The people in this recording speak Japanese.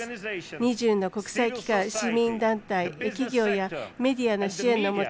２０もの国際機関、市民団体企業やメディアの支援のもと